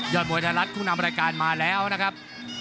มวยไทยรัฐคู่นำรายการมาแล้วนะครับ